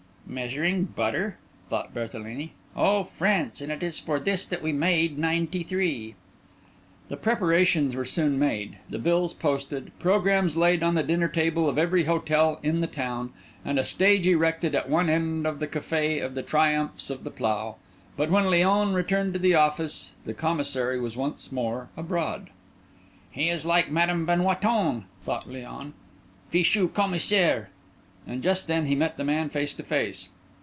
"Measuring butter!" thought Berthelini. "Oh, France, and it is for this that we made '93!" The preparations were soon made; the bills posted, programmes laid on the dinner table of every hotel in the town, and a stage erected at one end of the Café of the Triumphs of the Plough; but when Léon returned to the office, the Commissary was once more abroad. "He is like Madame Benoîton," thought Léon, "Fichu Commissaire!" And just then he met the man face to face.